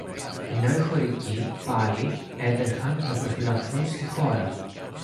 ενώ οι χωρικοί, πάλι, έτρεχαν να προφυλαχθούν στη χώρα.